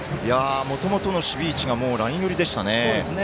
もともとの守備位置がもうライン寄りでしたね。